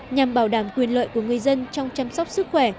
nhằm bảo đảm quyền lợi của người dân trong chăm sóc sức khỏe